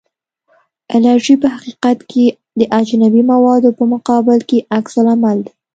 الرژي په حقیقت کې د اجنبي موادو په مقابل کې عکس العمل دی.